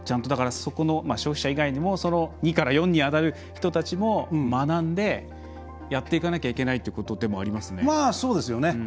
消費者以外にも２から４に当たる人たちも学んでやっていかなきゃいけないということでもありますね。